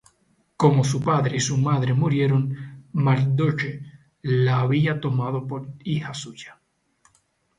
como su padre y su madre murieron, Mardochêo la había tomado por hija suya.